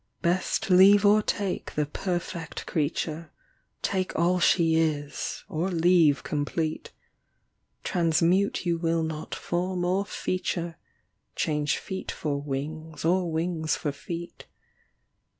Best leave or take the perfect creature. Take all she is or leave complete ; Transmute you will not form or feature, Change feet for wings or wings for feet.